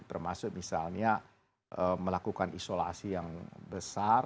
termasuk misalnya melakukan isolasi yang besar